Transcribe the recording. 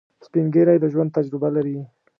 سپین ږیری د ژوند تجربه لري